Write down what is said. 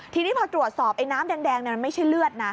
ทีนี้พอตรวจสอบไอ้น้ำแดงมันไม่ใช่เลือดนะ